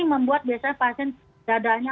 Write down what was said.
membuat biasanya pasien dadanya